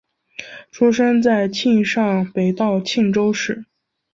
出生在庆尚北道庆州市。